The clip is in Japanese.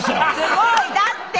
「すごい。だって」